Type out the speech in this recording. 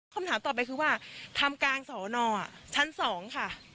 คำถามต่อไปคือว่าทำกลางสอนอชั้น๒ค่ะ